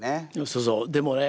そうそうでもね